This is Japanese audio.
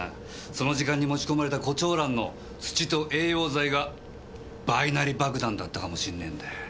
その時間に持ち込まれた胡蝶蘭の土と栄養剤がバイナリ爆弾だったかもしんねえんだよ。